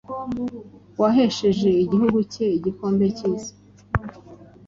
wahesheje igihugu cye Igikombe cy’Isi